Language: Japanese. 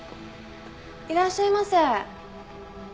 いらっしゃいませ。